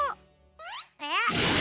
えっ？